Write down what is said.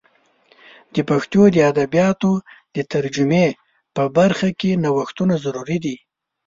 د پښتو د ادبیاتو د ترجمې په برخه کې نوښتونه ضروري دي.